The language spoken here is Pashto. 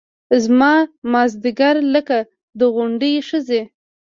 زما مازدیګر لکه د کونډې ښځې